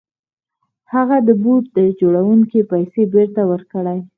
هغه د بوټ جوړوونکي پيسې بېرته ورکړې.